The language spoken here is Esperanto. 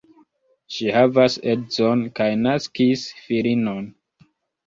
Ŝi havas edzon kaj naskis filinon.